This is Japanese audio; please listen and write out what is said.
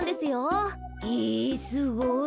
へえすごい。